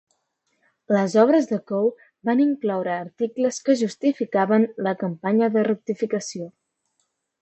Les obres de Coe van incloure articles que justificaven la campanya de rectificació.